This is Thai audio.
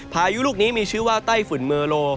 พายุลูกนี้มีชื่อว่าไต้ฝุ่นเมอร์โล